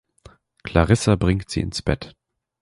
Clarissa bringt sie ins Bett.